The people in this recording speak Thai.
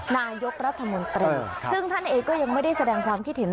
นายกรัฐมนตรีซึ่งท่านเองก็ยังไม่ได้แสดงความคิดเห็น